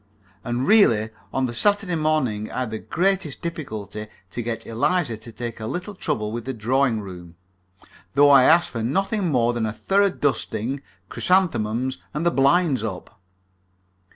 And, really, on the Saturday morning I had the greatest difficulty to get Eliza to take a little trouble with the drawing room, though I asked for nothing more than a thorough dusting, chrysanthemums, and the blinds up.